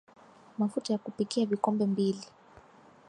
Mafuta ya kupikia vikombe mbili